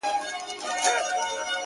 د اله زار خبري ډېري ښې دي-